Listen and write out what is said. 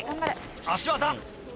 足技。